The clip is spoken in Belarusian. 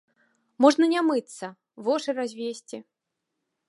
Можна не мыцца, вошы развесці.